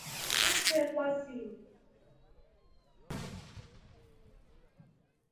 Ngatrekwa simu.